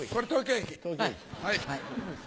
はい。